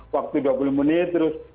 waktu dua puluh menit terus